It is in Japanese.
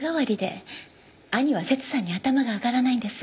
兄はセツさんに頭が上がらないんです。